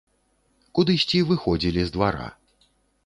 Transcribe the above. Кудысьці выходзілі з двара.